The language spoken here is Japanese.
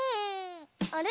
あれ？